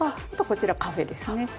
あとこちらカフェですね。